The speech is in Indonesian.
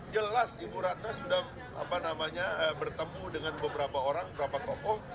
jelas ibu ratna sudah bertemu dengan beberapa orang beberapa tokoh